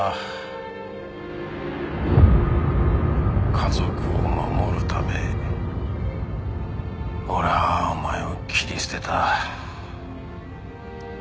家族を守るため俺はお前を切り捨てた。